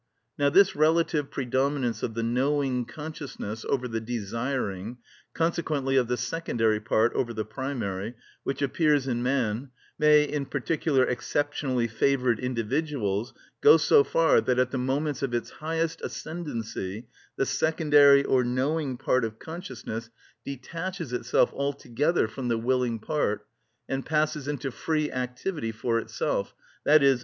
Now this relative predominance of the knowing consciousness over the desiring, consequently of the secondary part over the primary, which appears in man, may, in particular exceptionally favoured individuals, go so far that at the moments of its highest ascendancy, the secondary or knowing part of consciousness detaches itself altogether from the willing part, and passes into free activity for itself, _i.e.